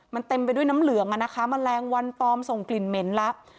มันเต็มไปด้วยน้ำเหลืองอ่ะนะคะแมลงวันตอมส่งกลิ่นเหม็นแล้ว